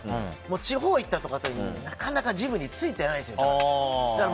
地方行ったりするとなかなかジムついてないですよ。